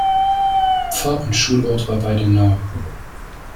Pfarr- und Schulort war Weidenau.